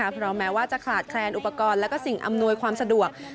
เพราะแม้ว่าจะขาดแคลนอุปกรณ์และสิ่งอำนวยความสะดวก